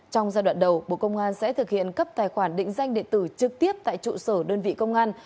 trong giai đoạn đầu bộ công an sẽ thực hiện cấp tài khoản định danh điện tử trực tiếp tại trụ sở đơn vị công an